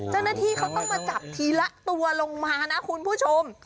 เจ้าหน้าที่เขาต้องมาจับทีละตัวลงมานะคุณผู้ชม